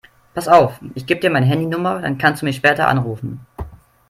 Pass auf, ich gebe dir meine Handynummer, dann kannst du mich später anrufen.